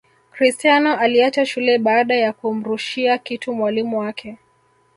Cristiano aliacha shule baada ya kumrushia kitu mwalimu wake